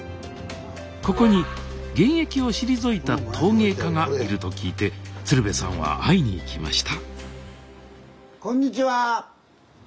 ここに現役を退いた陶芸家がいると聞いて鶴瓶さんは会いに行きました